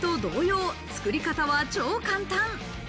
筑前煮と同様、作り方は超簡単。